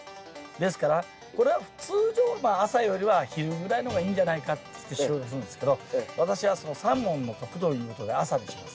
ですからこれは通常は朝よりは昼ぐらいの方がいいんじゃないかって収穫するんですけど私は「三文の徳」ということで朝にします。